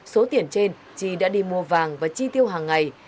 số tiền trên chi đã đi mua vàng và chi tiêu hàng ngày